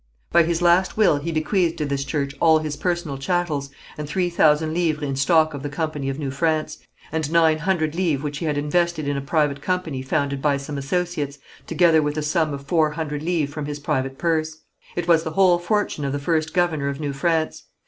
By his last will he bequeathed to this church all his personal chattels, and three thousand livres in stock of the Company of New France, and nine hundred livres which he had invested in a private company founded by some associates, together with a sum of four hundred livres from his private purse. It was the whole fortune of the first governor of New France.